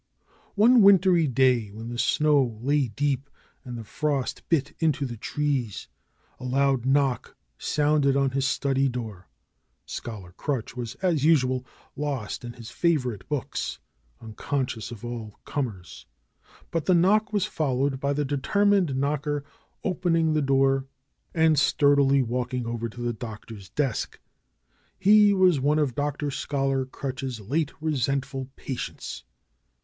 One wintry day when the snow lay deep and the frost bit into the trees a loud knock sounded on his study door. Scholar Crutch was, as usual, lost in his favor ite books, unconscious of all comers. But the knock was followed by the detennined knocker opening the DR. SCHOLAR CRUTCH 153 door and sturdily walking over to the doctor^s desk. He was one of Dr. Scholar Crutch's late resentful patients.